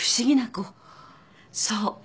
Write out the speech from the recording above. そう。